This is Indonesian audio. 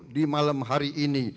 di malam hari ini